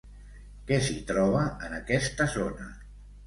Què s'hi troba en aquesta zona?